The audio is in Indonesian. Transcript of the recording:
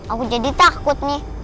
aku jadi takut nih